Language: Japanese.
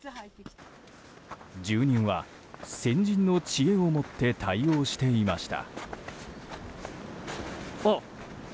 住人は先人の知恵をもって対応していました。